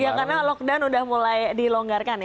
iya karena lockdown udah mulai dilonggarkan ya